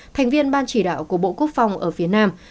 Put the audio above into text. thành viên ban chỉ đạo của bộ quốc phòng ở phía nam